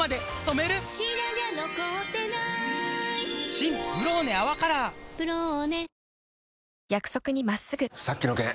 新「ブローネ泡カラー」「ブローネ」